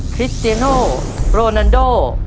คริสเจโน่โรนันโด